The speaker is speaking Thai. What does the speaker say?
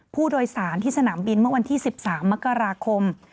ผู้โดยสารที่สนามบินเมื่อวันที่๑๓มกราคม